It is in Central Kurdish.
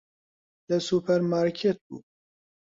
لە سوپەرمارکێت بوو.